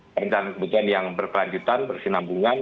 perencanaan kebutuhan yang berkelanjutan bersinambungan